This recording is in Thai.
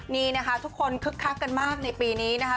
นี่นะคะทุกคนคึกคักกันมากในปีนี้นะคะ